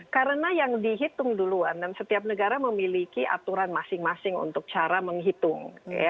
karena yang dihitung duluan dan setiap negara memiliki aturan masing masing untuk cara menghitung